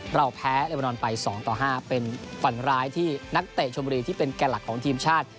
เราแพ้เอเวอนอนไป๒ต่อ๕เป็นฝันร้ายที่นักเตะชมบุรีที่เป็นแก่หลักของทีมชาติ